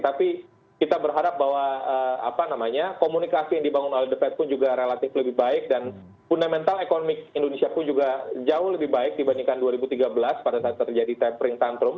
tapi kita berharap bahwa komunikasi yang dibangun oleh the fed pun juga relatif lebih baik dan fundamental ekonomi indonesia pun juga jauh lebih baik dibandingkan dua ribu tiga belas pada saat terjadi tapering tantrum